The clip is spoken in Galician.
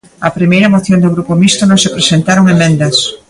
Á primeira moción, do Grupo Mixto, non se presentaron emendas.